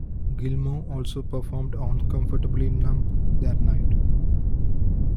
Gilmour also performed on "Comfortably Numb" that night.